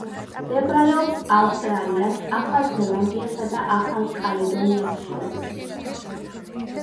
მდებარეობს ავსტრალიას, ახალ ზელანდიასა და ახალ კალედონიას შორის.